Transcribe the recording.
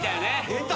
出た。